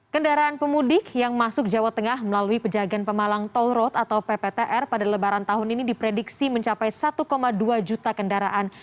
kendaraan pemudik yang masuk jawa tengah melalui pejagaan pemalang toll road atau pptr pada lebaran tahun ini diprediksi mencapai satu dua juta kendaraan